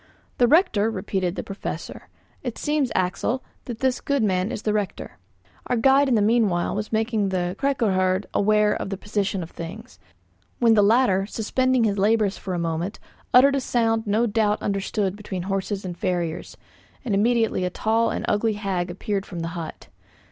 "The rector," repeated the Professor. "It seems, Axel, that this good man is the rector." Our guide in the meanwhile was making the 'kyrkoherde' aware of the position of things; when the latter, suspending his labours for a moment, uttered a sound no doubt understood between horses and farriers, and immediately a tall and ugly hag appeared from the hut.